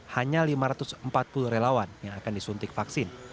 hanya lima ratus empat puluh relawan yang akan disuntik vaksin